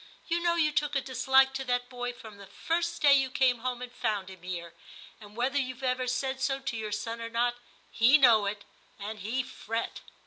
You know you took a dislike to that boy from the first day you came home and found him here; and whether you've ever said so to your son or not, he know it, and he fret.'